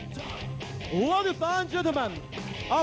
ทุกคนที่รับรับรับ